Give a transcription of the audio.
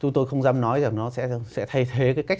chúng tôi không dám nói rằng nó sẽ thay thế cái cách